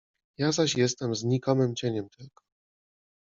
Ja zaś jestem znikomym cieniem tylko.